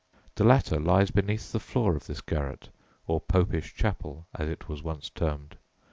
The latter lies beneath the floor of this garret, or "Popish chapel," as it was once termed.